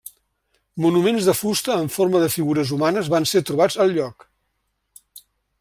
Monuments de fusta amb forma de figures humanes van ser trobats al lloc.